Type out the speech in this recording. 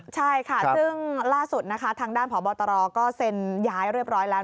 ใช่ค่ะซึ่งล่าสุดนะคะทางด้านพบตรก็เซ็นย้ายเรียบร้อยแล้ว